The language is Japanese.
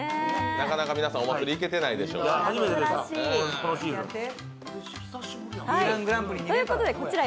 なかなか皆さん、お祭り行けてないでしょうから。